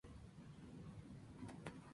El encargado no pudo hablar con Rebecca.